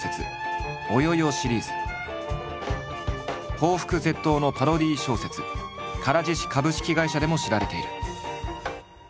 抱腹絶倒のパロディー小説「唐獅子株式会社」でも知られている。